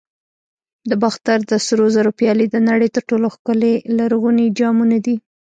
د باختر د سرو زرو پیالې د نړۍ تر ټولو ښکلي لرغوني جامونه دي